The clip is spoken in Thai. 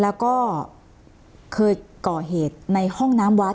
แล้วก็เคยก่อเหตุในห้องน้ำวัด